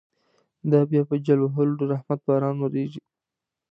دا به بیا په جل وهلو، د رحمت باران وریږی